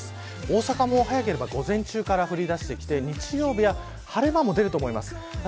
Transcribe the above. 大阪は早ければ午前中から降りだして日曜日は晴れ間も出ると思います。